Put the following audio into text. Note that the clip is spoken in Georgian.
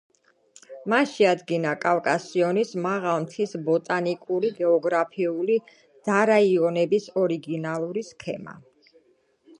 მან შეადგინა კავკასიონის მაღალმთის ბოტანიკურ-გეოგრაფიული დარაიონების ორიგინალური სქემა.